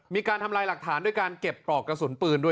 มีการทำลายหลักฐานด้วยการเก็บปลอกกระสุนปืนด้วย